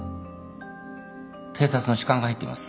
警察の主観が入っています。